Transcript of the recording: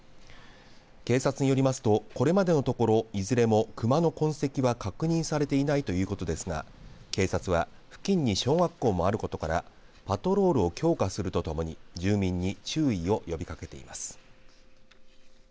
警察によりますとこれまでのところいずれも熊の痕跡は確認されていないということですが警察は付近に小学校もあることからパトロールを強化するとともに住民に注意を呼びかけています。